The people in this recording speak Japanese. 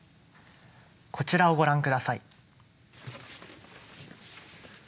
こちらをご覧下さい。